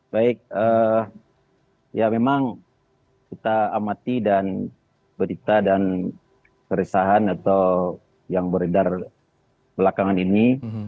baik ya memang kita amati dan berita dan keresahan atau yang beredar belakangan ini